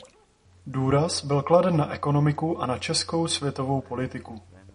Důraz byl kladen na ekonomiku a na českou a světovou politiku.